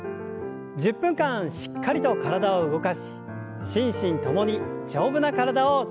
１０分間しっかりと体を動かし心身ともに丈夫な体を作りましょう。